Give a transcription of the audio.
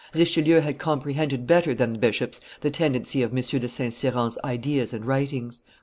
Richelieu had comprehended better than the bishops the tendency of M. de St. Cyran's ideas and writings.